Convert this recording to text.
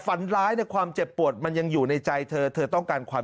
ฝันร้ายในความเจ็บปวดมันยังอยู่ในใจเธอเธอต้องการความ